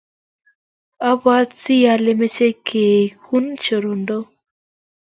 abwatiii ale mechei keekiun chronok.